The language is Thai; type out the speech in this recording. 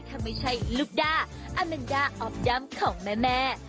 ถ้าไม่ใช่ลูกด้าอาแมนด้าออฟดัมของแม่